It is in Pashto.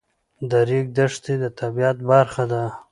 د ریګ دښتې د طبیعت برخه ده.